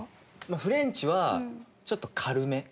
フレンチはちょっと軽め。